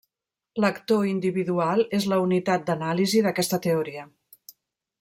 L'actor individual és la unitat d'anàlisi d'aquesta teoria.